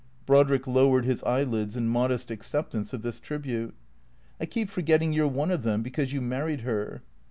Brodrick lowered his eyelids in modest acceptance of this tribute. " I keep forgetting you 're one of them, because you married her."